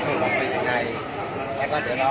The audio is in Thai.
สวัสดีครับพี่เบนสวัสดีครับ